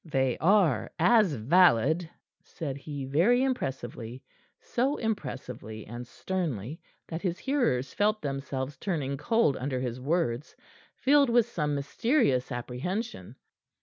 "They are as valid," said he very impressively so impressively and sternly that his hearers felt themselves turning cold under his words, filled with some mysterious apprehension.